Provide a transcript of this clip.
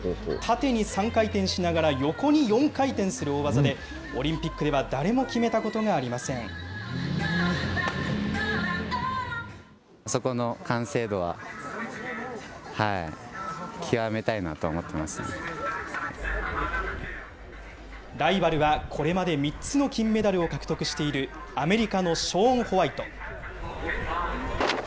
縦に３回転しながら横に４回転する大技で、オリンピックでは誰もライバルは、これまで３つの金メダルを獲得している、アメリカのショーン・ホワイト。